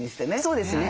そうですね。